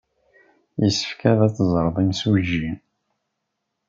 Yessefk ad teẓreḍ imsujji.